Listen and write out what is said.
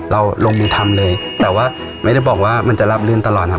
ลงมือทำเลยแต่ว่าไม่ได้บอกว่ามันจะรับลื่นตลอดครับ